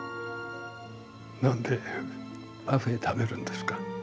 何でパフェ食べるんですか？